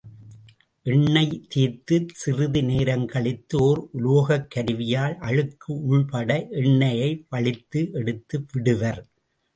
எண்ணெய் தேய்த்துச் சிறிது நேரங்கழித்து ஓர் உலோகக் கருவியால் அழுக்கு உள்பட எண்ணெயை வழித்து எடுத்து விடுவர்.